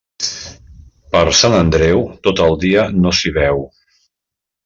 Per Sant Andreu, tot el dia no s'hi veu.